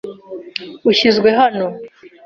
Ushinzwe hano?